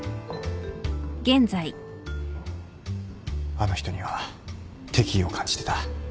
あの人には敵意を感じてた。